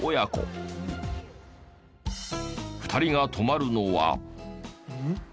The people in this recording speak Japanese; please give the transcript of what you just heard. ２人が泊まるのは。